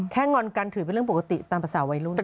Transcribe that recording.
แค่งอนกันแถวเรื่องปกติประสาทวัยรุ่น